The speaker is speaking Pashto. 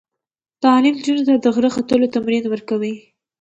تعلیم نجونو ته د غره ختلو تمرین ورکوي.